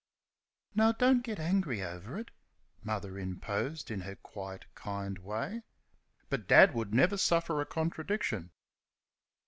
"Now, don't get angry over it," Mother interposed, in her quiet, kind way. But Dad would never suffer a contradiction.